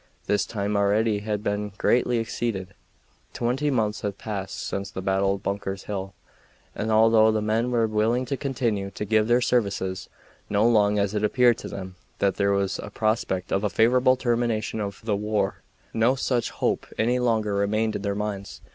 This time already had been greatly exceeded twenty months had passed since the battle of Bunker's Hill and although the men were willing to continue to give their services so long as it appeared to them that there was a prospect of a favorable termination of the war, no such hope any longer remained in their minds.